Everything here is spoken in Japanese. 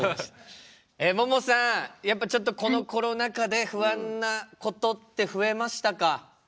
ももさんやっぱちょっとこのコロナ禍で不安なことって増えましたか？